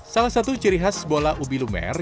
salah satu ciri khas bola ubi lumer